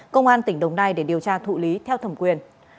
công an tỉnh đồng nai để điều tra thụ lý theo thẩm quyền